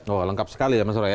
oh lengkap sekali ya mas rory